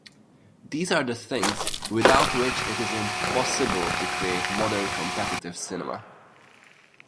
These are the things without which it is impossible to create modern competitive cinema.